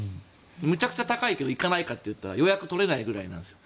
むちゃくちゃ高いけど行かないかっていったら予約取れないぐらいなんですよ。